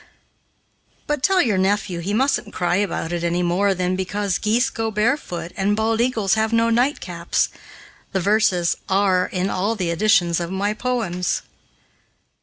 "But tell your nephew he mustn't cry about it any more than because geese go barefoot and bald eagles have no nightcaps. The verses are in all the editions of my poems.